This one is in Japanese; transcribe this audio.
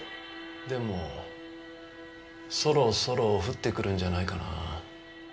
でもそろそろ降ってくるんじゃないかな。